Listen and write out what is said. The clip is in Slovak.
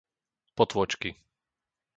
Potôčky